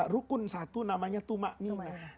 rukun satu namanya tumak ninah